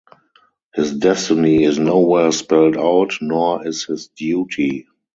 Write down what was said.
His destiny is nowhere spelled out, nor is his duty.